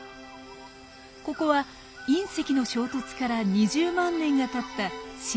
ここは隕石の衝突から２０万年がたった新生代。